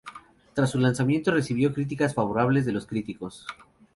Tras su lanzamiento, recibió críticas favorables de los críticos.